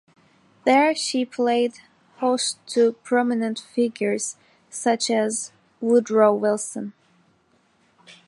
There she played host to prominent figures such as Woodrow Wilson.